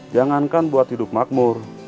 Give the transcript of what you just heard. jangankan buat hidup makmur